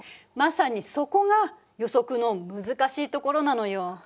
まさにそこが予測の難しいところなのよ。